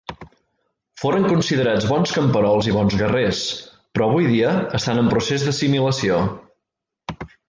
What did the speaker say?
Foren considerats bons camperols i bons guerrers, però avui dia estant en procés d'assimilació.